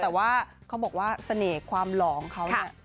แต่ว่าเขาบอกว่าเสน่ห์ความหล่อของเขาเนี่ย